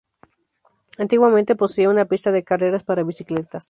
Antiguamente poseía una pista de carreras para bicicletas.